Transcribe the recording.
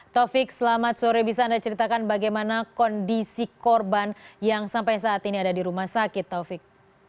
taufik selamat sore bisa anda ceritakan bagaimana kondisi korban yang sampai saat ini ada di rumah sakit taufik